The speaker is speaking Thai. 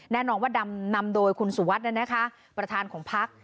แน่นอนว่าดำนำโดยคุณสุวัสดิ์นะคะประธานของพรรค